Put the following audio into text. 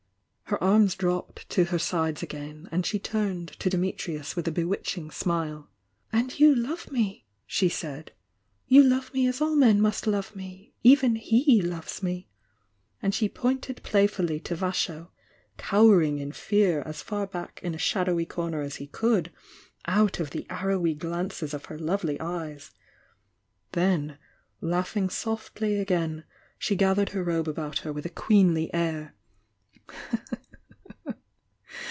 Her arms dropped to her sides again, and she turned to Dimitrius with a bewitching smile. "And you love me!" she said. "You love me as all men must love me! — even he loves me!" and phe pointed playfully to Vasho, cowering in fear as far back in a shadowy corner as he could, out of the arrowy glances of her lovely eyes, — then, laugh ing softly again, she gathered her robe about her with a queenly air.